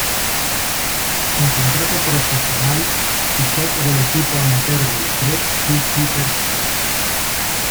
Sin contrato profesional, fichó por el equipo amateur del Trek-Zookeepers Cafe.